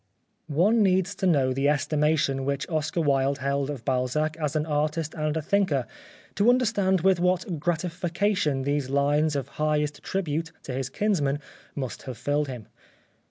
One needs to know the estimation which Oscar Wilde held of Balzac as an artist and a thinker to understand with what grati fication these lines of highest tribute to his kinsman must have filled him.